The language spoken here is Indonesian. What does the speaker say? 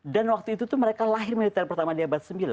dan waktu itu tuh mereka lahir militer pertama di abad sembilan